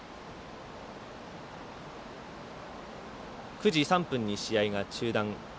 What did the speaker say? ９時３分に試合が中断。